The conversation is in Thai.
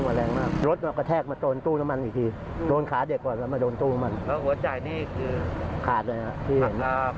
แล้วหัวใจนี่คือขาดเลยนะที่เห็นหักละพังไปหัวใจทำไมครับ